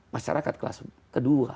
masyarakat kelas kedua